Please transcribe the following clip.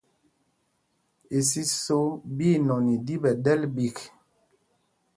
Isiso ɓí inɔn i ɗi ɓɛ̌ ɗɛ́l ɓîk.